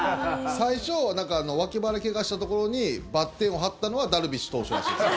最初脇腹怪我したところにばってんを貼ったのはダルビッシュ投手らしいです。